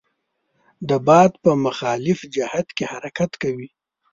د باد په مخالف جهت کې حرکت کوي.